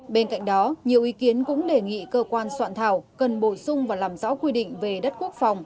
bên cạnh đó nhiều ý kiến cũng đề nghị cơ quan soạn thảo cần bổ sung và làm rõ quy định về đất quốc phòng